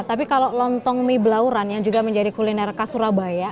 tapi kalau lontong mie belauran yang juga menjadi kuliner khas surabaya